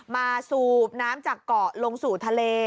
สูบน้ำจากเกาะลงสู่ทะเล